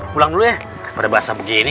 pulang dulu ya pada bahasa begini